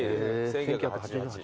１９８８。